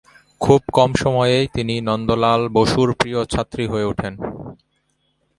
খুব কম সময়েই তিনি নন্দলাল বসুর প্রিয় ছাত্রী হয়ে ওঠেন।